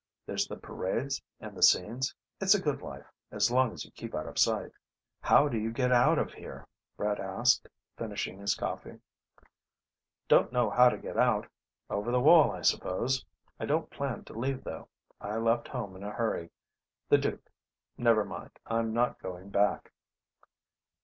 There's the parades and the scenes. It's a good life as long as you keep out of sight." "How do you get out of here?" Brett asked, finishing his coffee. "Don't know how to get out; over the wall, I suppose. I don't plan to leave though. I left home in a hurry. The Duke never mind. I'm not going back."